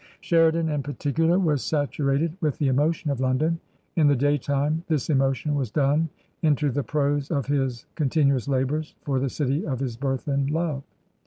Sheridan in particular was saturated with the emotion of London ; in the day time this emotion was done into the prose of his con tinuous labours for the city of his birth and love.